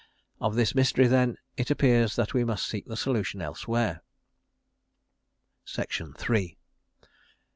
Of this mystery, then, it appears that we must seek the solution elsewhere.